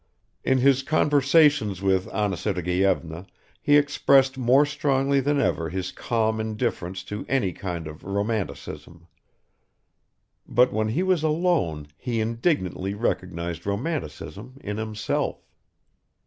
In his conversations with Anna Sergeyevna he expressed more strongly than ever his calm indifference to any kind of "romanticism"; but when he was alone he indignantly recognized romanticism in himself.